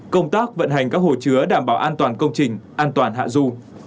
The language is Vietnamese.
công tác vận hành các hồ chứa đảm bảo an toàn công trình an toàn hạ du